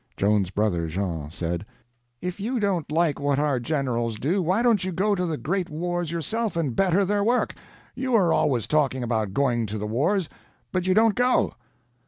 Joan's brother Jean said: "If you don't like what our generals do, why don't you go to the great wars yourself and better their work? You are always talking about going to the wars, but you don't go."